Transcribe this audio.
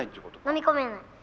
飲み込めない。